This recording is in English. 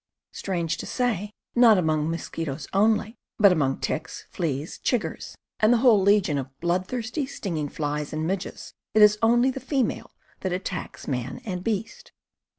Strange to say, not among mosquitoes only, but among ticks, fleas, chiggers, and the whole legion of bloodthirsty, stinging flies and midges, it is only the female that attacks man and beast.